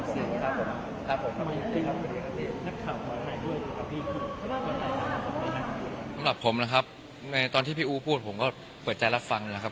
สำหรับผมนะครับตอนที่พี่อู๋พูดผมน่ะเผื่อค่อยเตียนแล้วฟังนะครับ